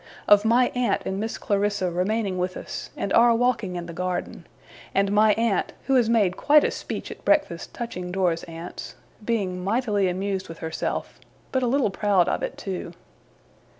Of my aunt and Miss Clarissa remaining with us; and our walking in the garden; and my aunt, who has made quite a speech at breakfast touching Dora's aunts, being mightily amused with herself, but a little proud of it too.